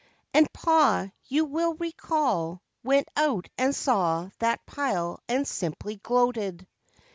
And pa, you will recall, went out and saw that pile and simply gloated.